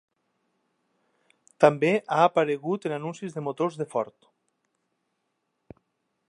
També ha aparegut en anuncis de motors de Ford.